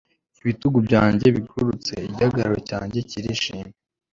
Ibitugu byanjye bigororotse igihagararo cyanjye kirishimye